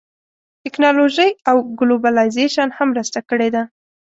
ټیکنالوژۍ او ګلوبلایزېشن هم مرسته کړې ده